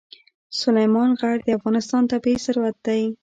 سلیمان غر د افغانستان طبعي ثروت دی.